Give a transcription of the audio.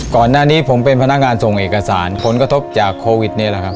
ก่อนหน้านี้ผมเป็นพนักงานส่งเอกสารผลกระทบจากโควิดนี่แหละครับ